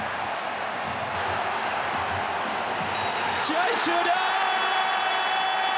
試合終了！